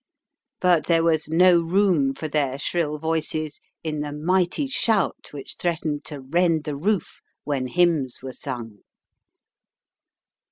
But there was no room for their shrill voices in the mighty shout which threatened to rend the roof when hymns were sung.